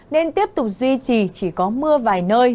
nên tiếp tục duy trì chỉ có mưa vài nơi